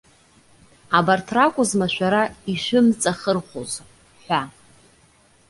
Абарҭ ракәызма шәара ишәымҵахырхәоз?- ҳәа.